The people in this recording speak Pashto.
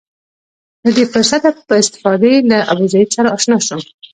له دې فرصته په استفادې له ابوزید سره اشنا شم.